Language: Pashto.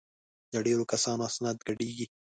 د ډېرو کسانو اسناد ګډېږي.